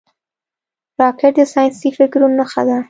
راکټ د ساینسي فکرونو نښه ده